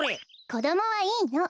こどもはいいの。